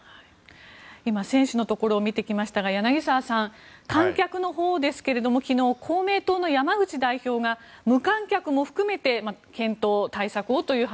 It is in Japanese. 今、選手のところを見てきましたが柳澤さん、観客のほうですけども昨日、公明党の山口代表が無観客も含めて検討、対策をという話。